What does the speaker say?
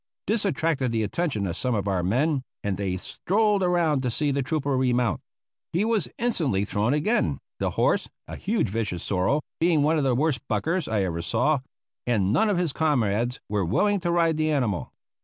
This attracted the attention of some of our men and they strolled around to see the trooper remount. He was instantly thrown again, the horse, a huge, vicious sorrel, being one of the worst buckers I ever saw; and none of his comrades were willing to ride the animal.